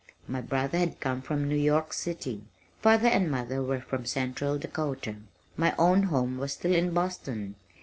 My brother had come from New York City. Father and mother were from central Dakota. My own home was still in Boston.